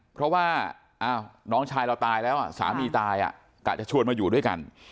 เพราะว่าน้องชายเราตายแล้วสามีตายกะจะชวนมาอยู่ด้วยกัน